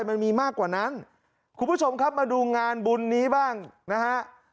มันมีมากกว่านั้นคุณผู้ชมครับมาดูงานบุญนี้บ้างนะฮะ